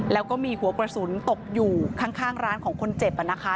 แล้วก็มีหัวกระสุนตกอยู่ข้างร้านของคนเจ็บนะคะ